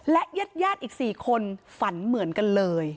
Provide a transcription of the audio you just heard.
และญาติอีก๔คนฝันเหมือนกันเลย